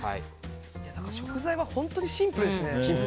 食材は本当にシンプルですね。